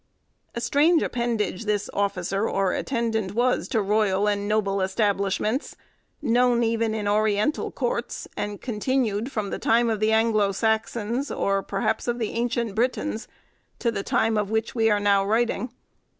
A strange appendage this officer or attendant was to royal and noble establishments; known even in oriental courts; and continued from the time of the Anglo Saxons, or perhaps of the ancient Britons, to the time of which we are now writing.